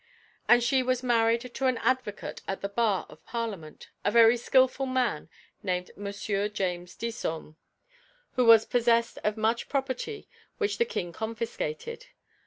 And she was married to an advocate at the bar of Parliament, a very skilful man, named Monsieur James Disome, who was possessed of much property which the King confiscated.